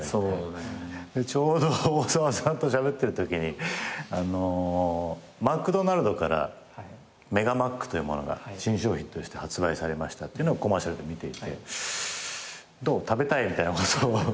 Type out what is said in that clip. ちょうど大沢さんとしゃべってるときにマクドナルドからメガマックというものが新商品として発売されましたっていうのをコマーシャルで見ていて「どう？食べたい？」みたいなことを。